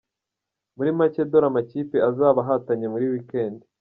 Muri make dore uko amakipe azaba ahatanye muri weekend :.